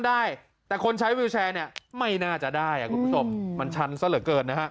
ได้แต่คนใช้วิวแชร์เนี่ยไม่น่าจะได้คุณผู้ชมมันชันซะเหลือเกินนะฮะ